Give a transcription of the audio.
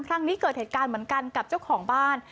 ครั้งนี้เกิดเหตุการณ์เหมือนกันกับเจ้าของบ้าน